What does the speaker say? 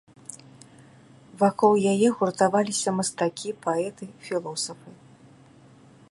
Вакол яе гуртаваліся мастакі, паэты, філосафы.